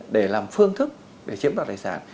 để làm phương thức để chiếm đoạt tài sản